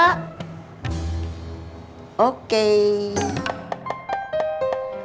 kok pake hati hati di jalan segala